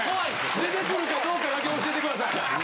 出てくるかどうかだけ教えてください。